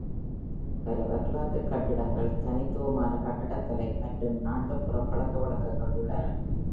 பல வரலாற்று கட்டிடங்கள், தனித்துவமான கட்டிடக்கலை மற்றும் நாட்டுப்புற பழக்கவழக்கங்கள் உள்ளன.